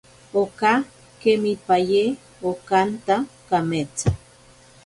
Oka kemipaye okanta kametsa.